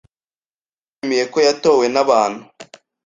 Yishimiye ko yatowe nabantu.